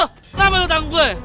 kenapa lu tangkap gue